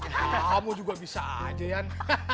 kamu juga bisa aja yan